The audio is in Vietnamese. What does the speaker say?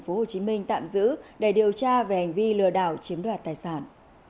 phố hồ chí minh tạm giữ để điều tra về hành vi lừa đảo chiếm đoạt tài sản